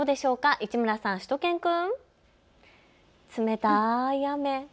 市村さん、しゅと犬くん。